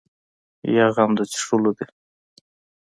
یا غم د څښلو ده.